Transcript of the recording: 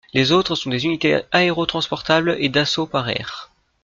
Les autres sont des unités aérotransportables et d'assaut par air.